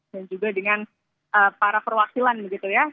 dan juga dengan para perwakilan begitu ya